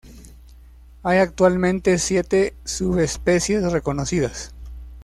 Hay actualmente siete subespecies reconocidas.